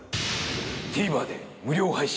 ＴＶｅｒで無料配信。